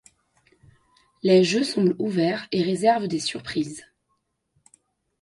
Les jeux semblent ouverts et réserves des surprises.